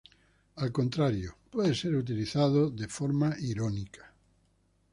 Al contrario, puede ser utilizado de forma irónica.